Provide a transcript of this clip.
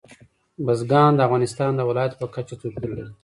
بزګان د افغانستان د ولایاتو په کچه توپیر لري.